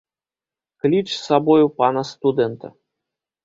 Кліч з сабою пана студэнта.